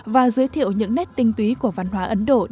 và giới thiệu những nét tinh túy của văn hóa ấn độ